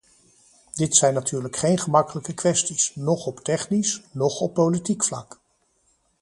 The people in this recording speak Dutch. Dit zijn natuurlijk geen gemakkelijke kwesties, noch op technisch, noch op politiek vlak.